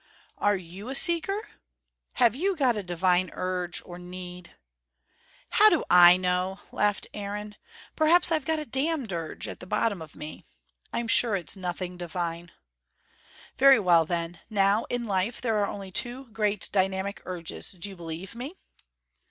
"Are you a seeker? Have you got a divine urge, or need?" "How do I know?" laughed Aaron. "Perhaps I've got a DAMNED urge, at the bottom of me. I'm sure it's nothing divine." "Very well then. Now, in life, there are only two great dynamic urges do you believe me